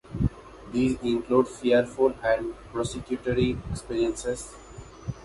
These included fearful and persecutory experiences.